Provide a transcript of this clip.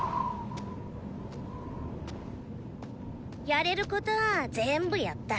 やれることは全部やった。